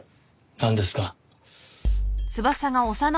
なんですか？